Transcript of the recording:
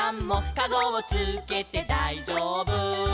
「かごをつけてだいじょうぶ」